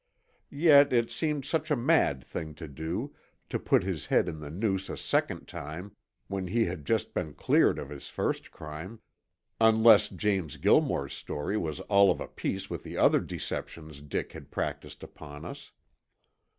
Yet it seemed such a mad thing to do, to put his head in the noose a second time when he had just been cleared of his first crime, unless James Gilmore's story was all of a piece with the other deceptions Dick had practised upon us.